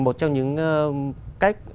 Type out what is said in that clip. một trong những cách